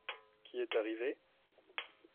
Qui est arrivé ?